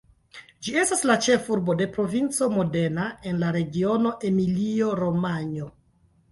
Ĝi estas la ĉefurbo de Provinco Modena en la regiono Emilio-Romanjo.